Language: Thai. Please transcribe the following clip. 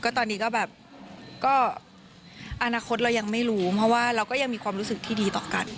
ตอนนี้ก็แบบก็อนาคตเรายังไม่รู้เพราะว่าเราก็ยังมีความรู้สึกที่ดีต่อกัน